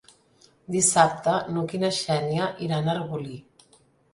Dissabte n'Hug i na Xènia iran a Arbolí.